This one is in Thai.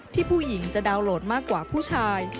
ผู้หญิงจะดาวนโหลดมากกว่าผู้ชาย